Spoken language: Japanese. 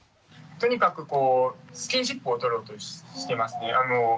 とにかくこうスキンシップをとろうとしてますね。